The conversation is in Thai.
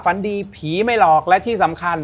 ฝันดีผีไม่หลอกและที่สำคัญ